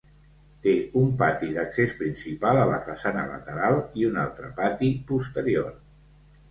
Té un pati d'accés principal a la façana lateral i un altre pati posterior.